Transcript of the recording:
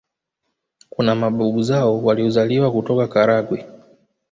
Kuna mababu zao waliozaliwa kutoka Karagwe